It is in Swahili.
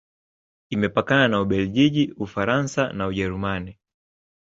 Imepakana na Ubelgiji, Ufaransa na Ujerumani.